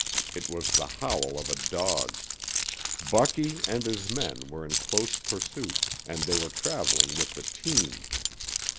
It was the howl of a dog. Bucky and his men were in close pursuit, and they were traveling with the team.